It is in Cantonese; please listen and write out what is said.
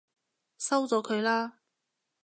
收咗佢啦！